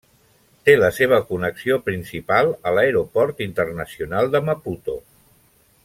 Té la seva connexió principal a l'Aeroport Internacional de Maputo.